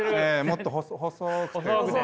もっと細くてこう。